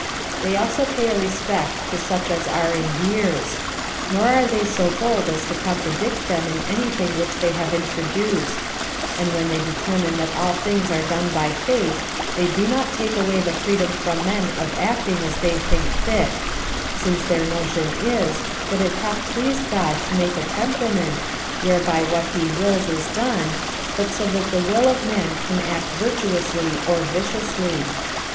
They also pay a respect to such as are in years; nor are they so bold as to contradict them in any thing which they have introduced; and when they determine that all things are done by fate, they do not take away the freedom from men of acting as they think fit; since their notion is, that it hath pleased God to make a temperament, whereby what he wills is done, but so that the will of man can act virtuously or viciously.